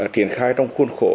triển khai trong khuôn khổ